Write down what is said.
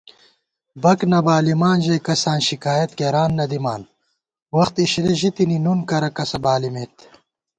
بک نہ بالِمان ژَئی کساں شِکایَت کېران نہ دِمان * وخت اِشِلی ژِتِنی نُن کرہ کسہ بالِمېت